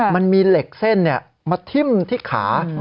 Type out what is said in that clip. มันมีเหล็กเส้นมาทิ้มที่ขา